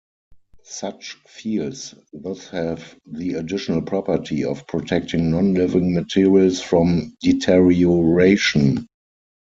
Such fields thus have the additional property of protecting non-living materials from deterioration.